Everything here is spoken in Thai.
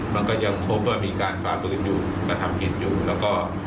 มันก็ยังพบว่ามีการฝ่าฝืนอยู่กระทำผิดอยู่แล้วก็